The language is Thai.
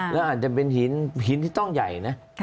แล้วอาจจะเป็นหินที่ต้องใหญ่นะ